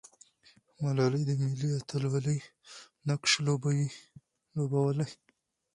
ملالۍ د ملي اتلولۍ نقش لوبولی.